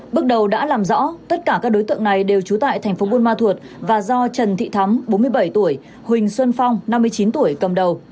bước đầu đã làm rõ tất cả các đối tượng này đều trú tại thành phố buôn ma thuột và do trần thị thắm bốn mươi bảy tuổi huỳnh xuân phong năm mươi chín tuổi cầm đầu